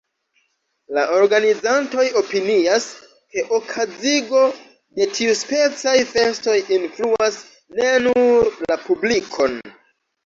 La organizantoj opinias, ke okazigo de tiuspecaj festoj influas ne nur la publikon.